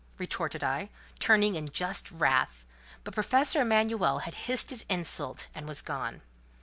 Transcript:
retorted I, turning in just wrath: but Professor Emanuel had hissed his insult and was gone.